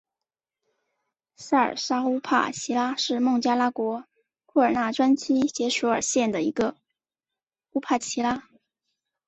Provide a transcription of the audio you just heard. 沙尔沙乌帕齐拉是孟加拉国库尔纳专区杰索尔县的一个乌帕齐拉。